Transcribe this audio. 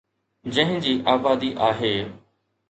جنهن جي آبادي آهي.